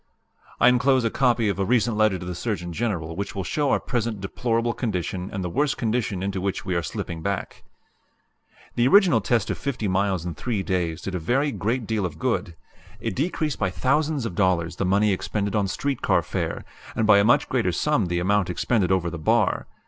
"I enclose a copy of a recent letter to the Surgeon General which will show our present deplorable condition and the worse condition into which we are slipping back. "The original test of 50 miles in three days did a very great deal of good. It decreased by thousands of dollars the money expended on street car fare, and by a much greater sum the amount expended over the bar.